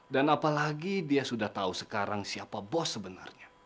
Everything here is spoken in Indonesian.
dan apalagi dia sudah tahu sekarang siapa pak sebenarnya